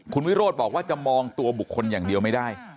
คุณวิโรธบอกว่าจะมองตัวบุคคลอย่างเดียวไม่ได้